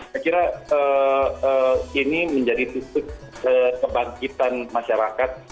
saya kira ini menjadi titik kebangkitan masyarakat